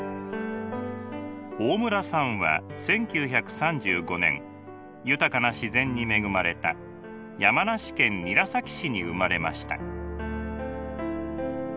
大村さんは１９３５年豊かな自然に恵まれた山梨県韮崎市に生まれました。